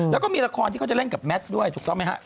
แล้วก็มีละครที่เขาจะเล่นกับแมทด้วยถูกต้องไหมฮะ